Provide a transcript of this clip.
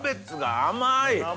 甘い！